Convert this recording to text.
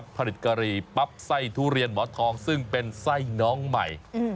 ผลิตกะหรี่ปั๊บไส้ทุเรียนหมอทองซึ่งเป็นไส้น้องใหม่